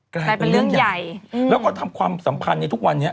กลายเป็นเรื่องใหญ่แล้วก็ทำความสัมพันธ์ในทุกวันนี้